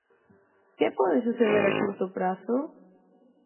Que pode suceder a curto prazo?